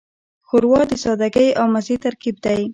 ښوروا د سادګۍ او مزې ترکیب دی.